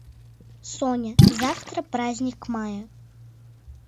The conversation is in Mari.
Соня, завтра праздник мая.